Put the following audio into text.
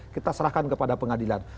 kita serahkan kepada pengadilan